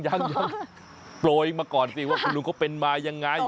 โปร่งอีกมาก่อนสิว่าคุณลุงเขาเป็นมายังไง